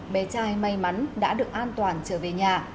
bé trai may mắn đã được an toàn trở về nhà